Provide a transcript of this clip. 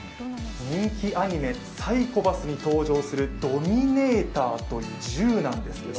人気アニメ「ＰＳＹＣＨＯ−ＰＡＳＳ」に登場するドミネーターという銃なんです。